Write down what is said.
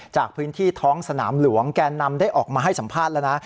จากพื้นที่ท้องสนามหลวงแกนนำได้ออกมาให้สัมภาษณ์แล้วนะ